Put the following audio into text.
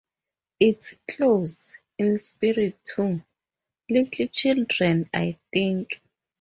It's close in spirit to "Little Children", I think.